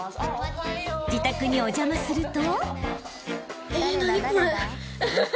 ［自宅にお邪魔すると］